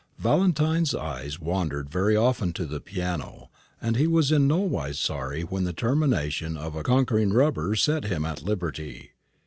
Valentine's eyes wandered very often to the piano, and he was in nowise sorry when the termination of a conquering rubber set him at liberty.